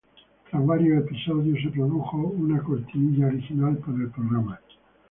Tras varios episodios, se produjo una cortinilla original para el programa.